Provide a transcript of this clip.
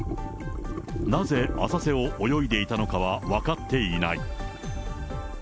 なぜ浅瀬を泳いでいたのかは分かっていない。